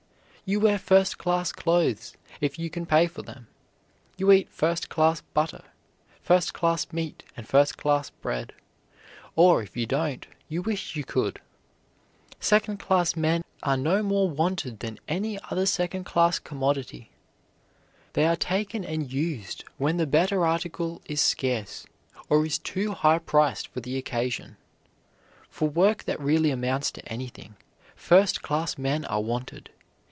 You wear first class clothes if you can pay for them, eat first class butter, first class meat, and first class bread, or, if you don't, you wish you could. Second class men are no more wanted than any other second class commodity. They are taken and used when the better article is scarce or is too high priced for the occasion. For work that really amounts to anything, first class men are wanted.